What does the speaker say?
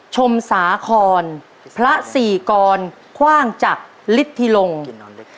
ชมสาครพระสี่กรคว่างจากฤทธิลง